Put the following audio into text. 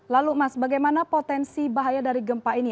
lalu mas bagaimana potensi bahaya dari gempa ini